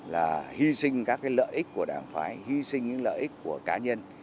là hy sinh các lợi ích của đảng phái hy sinh những lợi ích của cá nhân